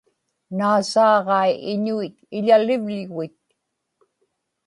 naasaaġai iñuit iḷalivḷugit